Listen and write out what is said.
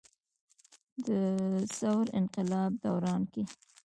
د ثور انقلاب دوران کښې